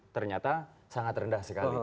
ternyata sangat rendah sekali